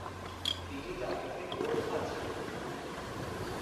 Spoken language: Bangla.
তিনি জাতিতে গোর্খা ছিলেন।